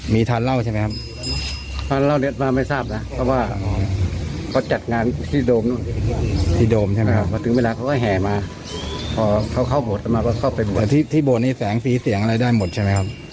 พอเขาเข้าบทมาก็เข้าไปบทแต่ที่ที่บทนี้แสงสีเสียงอะไรได้หมดใช่ไหมครับ